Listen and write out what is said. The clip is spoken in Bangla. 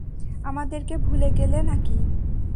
আমাদেরকে ভু্লে গেলে নাকি?